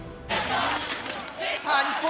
さあ日本